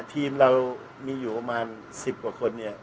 ทีมเรามีอยู่ประมาณ๑๐กว่าคนเนี่ย